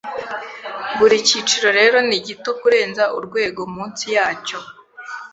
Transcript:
Buri cyiciro rero ni gito kurenza urwego munsi yacyo